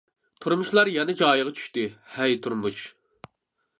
تۇرمۇشلار يەنە جايىغا چۈشتى. ھەي، تۇرمۇش.